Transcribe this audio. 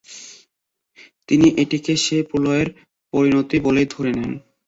তিনি এটিকে সেই প্রলয়ের পরিণতি বলেই ধরে নেন।